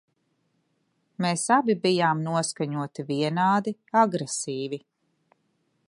Mēs abi bijām noskaņoti vienādi agresīvi.